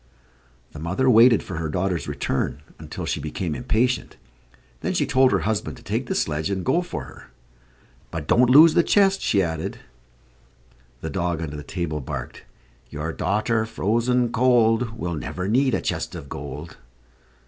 The mother waited for her daughter's return until she became impatient; then she told her husband to take the sledge and go for her. "But don't lose the chest," she added. The dog under the table, barked: "Your daughter frozen cold, Will never need a chest of gold."